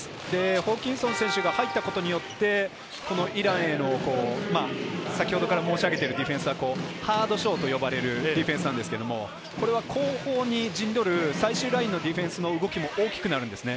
ホーキンソン選手が入ったことによって、イランへのディフェンスがハードショーと呼ばれるディフェンスなんですけど、後方に陣取る最終ラインのディフェンスの動きも大きくなるんですね。